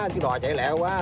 chiếc đò chạy lẻ quá